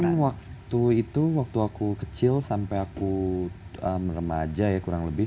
cuma waktu itu waktu aku kecil sampai aku remaja ya kurang lebih